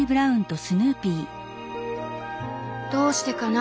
「どうしてかな